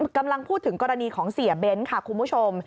กำลังพูดถึงกรณีของเสียเบ้นค่ะคุณผู้ชม